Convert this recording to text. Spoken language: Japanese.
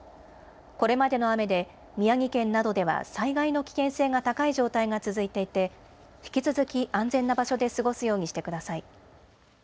これまでの雨で宮城県などでは災害の危険性が高い状態が続いていて、引き続き安全な場所で過ごすようにしてください。